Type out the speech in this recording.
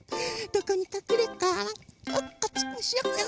どこにかくれようか？